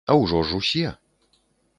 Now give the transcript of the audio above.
А ўжо ж усе.